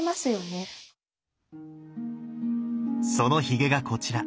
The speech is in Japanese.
そのヒゲがこちら。